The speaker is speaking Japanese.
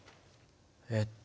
えっと